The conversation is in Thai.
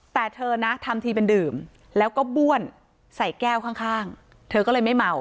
แต่เธอนะทำทีเป็นดื่มแล้วก็บ้วนใส่แก้วข้างเธอก็เลยไม่เมา